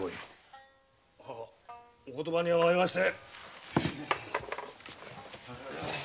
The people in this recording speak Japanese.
お言葉に甘えまして。